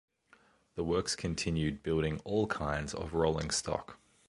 The works continued building all kinds of rolling stock.